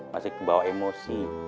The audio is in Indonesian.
masih kebawa emosi